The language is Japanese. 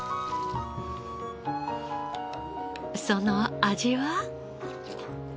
その味は？